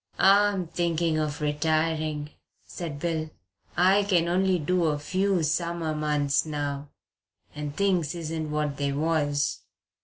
"I'm thinking of retiring," said Bill. "I can only do a few summer months now and things isn't what they was."